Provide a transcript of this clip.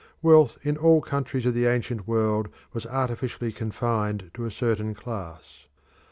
Wealth in all countries of the ancient world was artificially confined to a certain class.